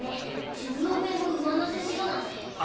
１０億円も上乗せしろなんて。